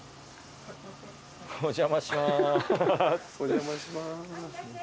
お邪魔します。